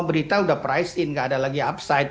berita udah price in nggak ada lagi upside